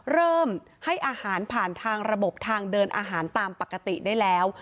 เริ่มให้อาหารผ่านทางระบบทางเดินอาหารตามปกติได้แล้ว